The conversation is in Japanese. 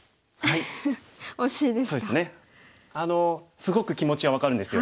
すごく気持ちは分かるんですよ。